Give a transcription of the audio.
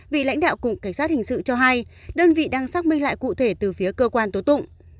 vị lãnh đạo cục cảnh sát hình sự cho hay đơn vị đang xác minh lại cụ thể từ phía cơ quan tố tụng